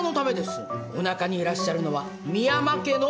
おなかにいらっしゃるのは深山家のお子さまなのですから。